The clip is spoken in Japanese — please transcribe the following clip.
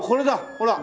ほら。